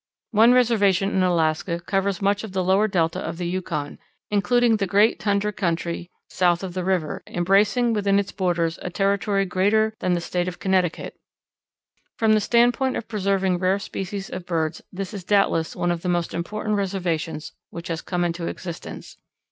One reservation in Alaska covers much of the lower delta of the Yukon, including the great tundra country south of the river, embracing within its borders a territory greater than the State of Connecticut. From the standpoint of preserving rare species of birds this is doubtless one of the most important reservations which has come into existence.